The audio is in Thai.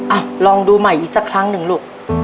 อ่ะลองดูใหม่อีกสักครั้งหนึ่งลูก